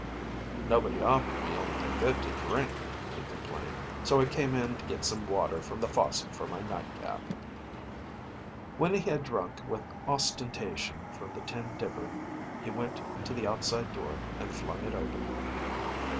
"Nobody offered me anything good to drink," he complained, "so I came in to get some water from the faucet for my nightcap." When he had drunk with ostentation from the tin dipper he went to the outside door and flung it open.